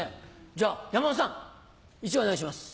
じゃあ山田さん１枚お願いします。